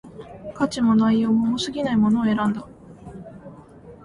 価格も、内容も、重過ぎないものを選んだ